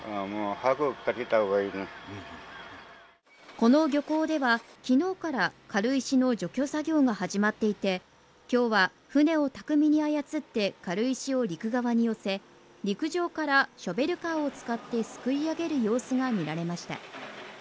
この漁港では昨日から軽石の除去作業が始まっていて今日は船を巧みに操って軽石を陸側に寄せ、陸上からショベルカーを使って、すくい上げる様子が見られました。